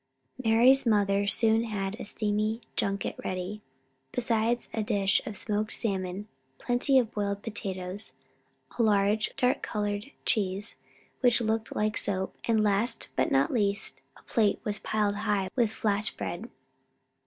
Mari's mother soon had a steaming junket ready, besides a dish of smoked salmon, plenty of boiled potatoes, a large, dark coloured cheese which looked like soap, and last, but not least, a plate was piled high with flat bread.